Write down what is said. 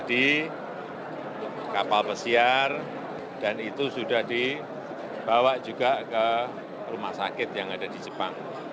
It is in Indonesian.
di kapal pesiar dan itu sudah dibawa juga ke rumah sakit yang ada di jepang